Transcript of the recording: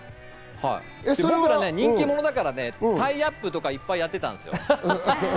僕ら人気者だから、タイアップとかいっぱいやってたんですよ。